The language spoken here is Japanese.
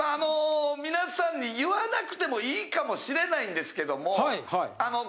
皆さんに言わなくてもいいかもしれないんですけども。